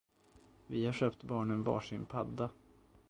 Vi har köpt barnen varsin padda.